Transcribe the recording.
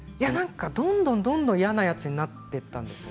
どんどんどんどん嫌なやつになっていったんですよね。